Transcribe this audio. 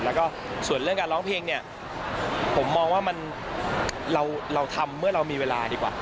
แล้วก็ส่วนเรื่องการร้องเพลงเนี่ยผมมองว่าเราทำเมื่อเรามีเวลาดีกว่า